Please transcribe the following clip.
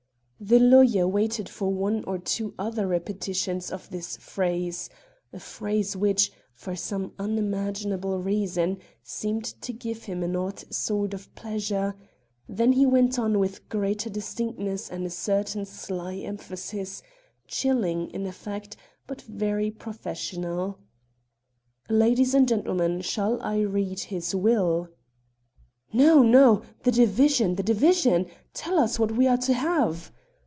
The lawyer waited for one or two other repetitions of this phrase (a phrase which, for some unimaginable reason, seemed to give him an odd sort of pleasure), then he went on with greater distinctness and a certain sly emphasis, chilling in effect but very professional: "Ladies and gentlemen: Shall I read this will?" "No, no! The division! the division! Tell us what we are to have!"